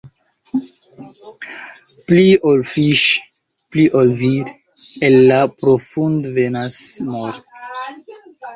Pli ol fiŝ', pli ol vir', el la profund' venas mort'.